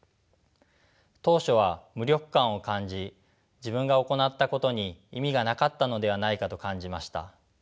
当初は無力感を感じ自分が行ったことに意味がなかったのではないかと感じました。